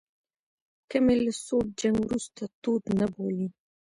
که مې له سوړ جنګ وروسته تود نه بولئ.